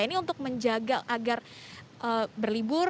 ini untuk menjaga agar berlibur